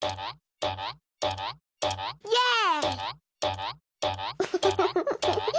イエーイ！